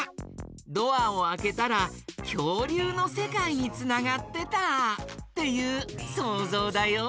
ドアをあけたらきょうりゅうのせかいにつながってたっていうそうぞうだよ！